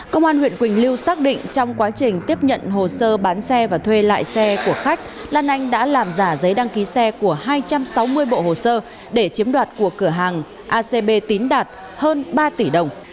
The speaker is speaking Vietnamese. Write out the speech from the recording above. công an huyện quỳnh lưu xác định trong quá trình tiếp nhận hồ sơ bán xe và thuê lại xe của khách lan anh đã làm giả giấy đăng ký xe của hai trăm sáu mươi bộ hồ sơ để chiếm đoạt của cửa hàng acb tín đạt hơn ba tỷ đồng